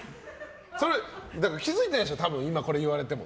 気づいてないでしょ、多分今、これ言われても。